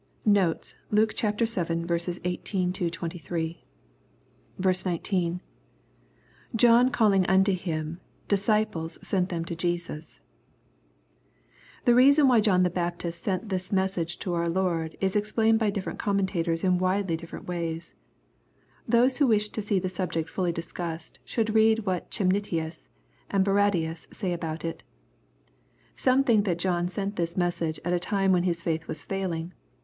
Notes. Lukb VIL 18—23. 19. — [John caMmg unto him,.,disciples sent them to Jestis.] Thii reason why John the Baptist sent this message to our Lord, is explained "by different commentators in widely different ways. Those who wish to see the subject fully discussed should read what Chemnitius and Bairadius say about it. Some think that John sent this message at a time when his faith was failing.